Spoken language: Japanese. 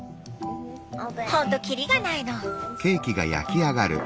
ほんときりがないの。